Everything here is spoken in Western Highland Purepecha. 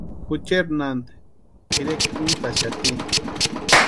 Jucheri nanti tirekwa úntaxati.